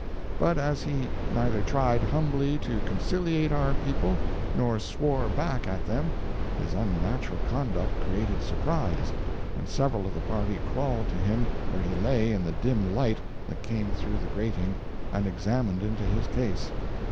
But as he neither tried humbly to conciliate our people nor swore back at them, his unnatural conduct created surprise, and several of the party crawled to him where he lay in the dim light that came through the grating, and examined into his case.